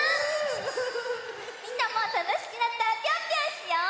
みんなもたのしくなったらぴょんぴょんしよう！